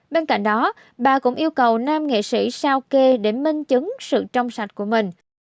bên cạnh đó bà cũng yêu cầu nam nghệ sĩ sao kê để minh chứng sự trong sạch của mình